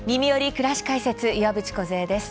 くらし解説」岩渕梢です。